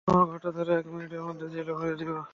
তোমার ঘারটা ধরে এক মিনিটের মধ্যে জেলে ভরে দিবো।